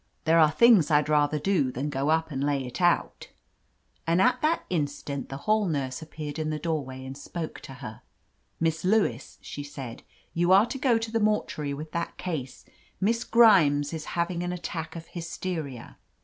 There are things I'd rather do than go up and lay it out." 130 OF LETITIA CARBERRY And at that instant the hall nurse appeared in the doorway and spoke to her. "Miss Lewis/* she said, "you are to go to the mortuary with that case. Miss Grimes is having an attack of hysteria."